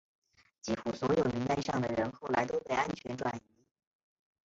几乎所有名单上的人后来都被安全转移。